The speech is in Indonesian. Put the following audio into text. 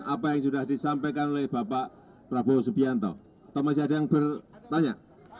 apa yang sudah disampaikan oleh bapak prabowo subianto atau masih ada yang bertanya